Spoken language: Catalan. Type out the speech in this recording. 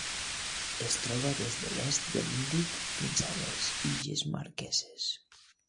Es troba des de l'est de l'Índic fins a les Illes Marqueses.